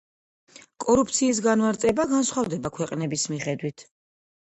კორუფციის განმარტება განსხვავდება ქვეყნების მიხედვით.